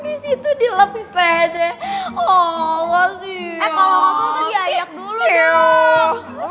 lu waktu itu lu pernah ketemu mobil eh karen kalau saya pulang deh pulang pulang